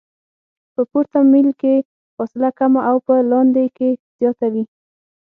په پورته میل کې فاصله کمه او په لاندې کې زیاته وي